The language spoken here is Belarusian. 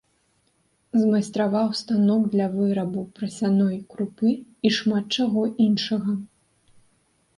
Змайстраваў станок для вырабу прасяной крупы і шмат чаго іншага.